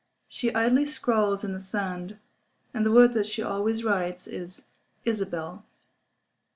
She idly scrawls in the sand; and the word that she always writes is "Isabel."